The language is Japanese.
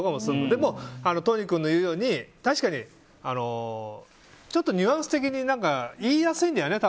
でも、都仁君の言うように確かにちょっとニュアンス的に言いやすいんだよね